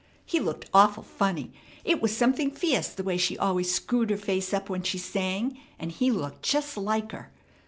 He looked awful funny. It was something fierce the way she always screwed her face up when she sang, and he looked just like her.